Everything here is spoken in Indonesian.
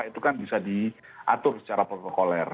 itu kan bisa diatur secara protokoler